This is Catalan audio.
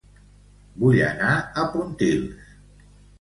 Vull anar a Pontils